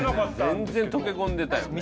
全然溶け込んでたよね。